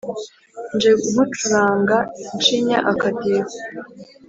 nje nkucuranga ncinya akadiho